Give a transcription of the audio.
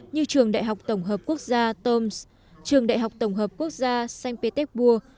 như trường đại học tổng hợp quốc gia toms trường đại học tổng hợp quốc gia saint pé tec bourg